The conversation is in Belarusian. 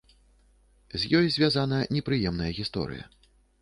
З ёй звязана непрыемная гісторыя.